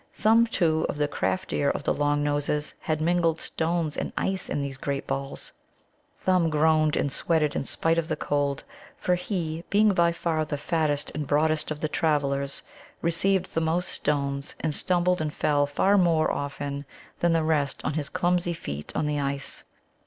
Some, too, of the craftier of the Long noses had mingled stones and ice in these great balls. Thumb groaned and sweated in spite of the cold, for he, being by far the fattest and broadest of the travellers, received the most stones, and stumbled and fell far more often than the rest on his clumsy feet on the ice.